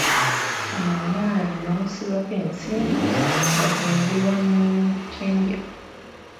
Ono omwana ne bamusibako ensimbi nga nze mbulwa ne kye ndya!